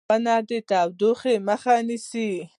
ونې د تودوخې مخه نیسي.